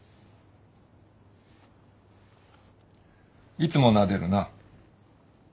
いつもなでるな。